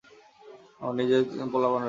আমার নিজের পোলাপান রয়েছে।